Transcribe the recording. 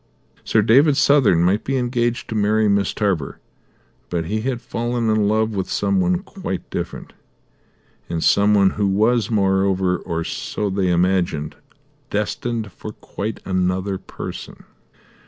Sir David Southern might be engaged to marry Miss Tarver, but he had fallen in love with some one quite different, and some one who was, moreover, or so they imagined, destined for quite another person.